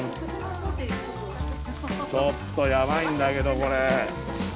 ちょっとやばいんだけどこれ。